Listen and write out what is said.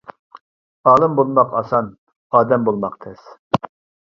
ئالىم بولماق ئاسان، ئادەم بولماق تەس.